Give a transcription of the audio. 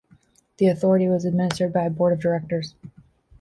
The authority was administered by a board of directors.